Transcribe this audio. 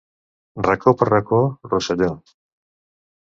Racó per racó, Rosselló.